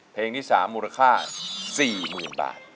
เพลงที่๓มูลค่า๔๐๐๐บาท